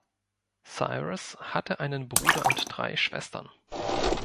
Cyrus hat einen Bruder und drei Schwestern.